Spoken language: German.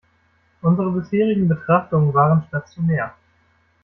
Unsere bisherigen Betrachtungen waren stationär.